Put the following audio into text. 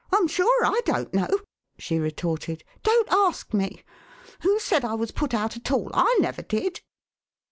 "I'm sure / don't know," she retorted. "Don't ask me. Who said I was put out at all ?/ never did.''